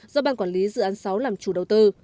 do ban quản lý dự án sáu làm chủ đầu tư